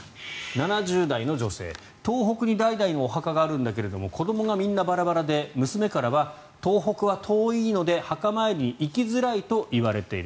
７０代の女性東北に代々のお墓があるんだけど子どもがみんなバラバラで娘からは東北は遠いので墓参りに行きづらいといわれている。